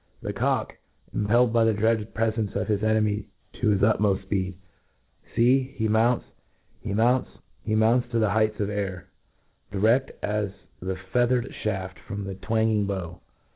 The cock, impelled by the dreaded prefence of his enemy to his utmott fpeed— fee ! h e mounts — 4ie mounts ^he mounts to the heights of sur, di rtSt as the feathered fhaft from the twanging bow.